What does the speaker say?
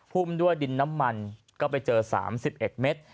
ุ่มด้วยดินน้ำมันก็ไปเจอ๓๑เมตร